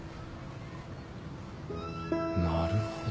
なるほど。